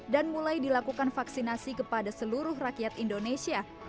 dan mulai dilakukan vaksinasi kepada seluruh rakyat indonesia